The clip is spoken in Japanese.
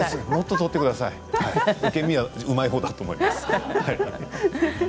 取ってください、受け身はうまいほうだと思います。